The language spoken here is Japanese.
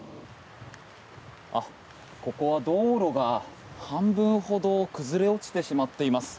ここは道路が半分ほど崩れ落ちてしまっています。